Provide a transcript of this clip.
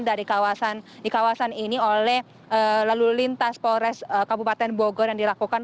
dari kawasan ini oleh lalu lintas polres kabupaten bogor yang dilakukan